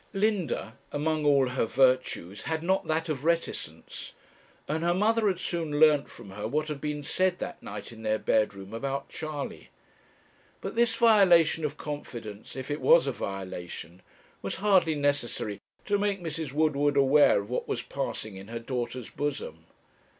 Linda, among all her virtues, had not that of reticence, and her mother had soon learnt from her what had been said that night in their bedroom about Charley. But this violation of confidence, if it was a violation, was hardly necessary to make Mrs. Woodward aware of what was passing in her daughter's bosom.